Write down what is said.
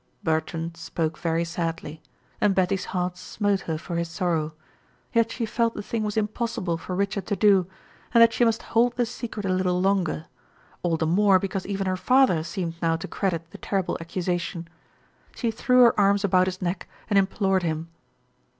Bertrand spoke very sadly, and Betty's heart smote her for his sorrow; yet she felt the thing was impossible for Richard to do, and that she must hold the secret a little longer all the more because even her father seemed now to credit the terrible accusation. She threw her arms about his neck and implored him.